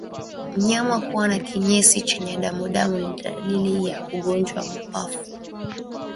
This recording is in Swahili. Mnyama kuwa na kinyesi chenye damudamu ni dalili ya ugonjwa wa mapafu